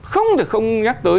không thể không nhắc tới